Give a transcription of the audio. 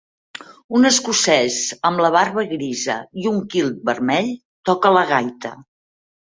Un escocès amb la barba grisa i un kilt vermell toca la gaita.